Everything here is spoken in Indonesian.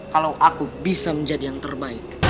kalau aku bisa menjadi yang terbaik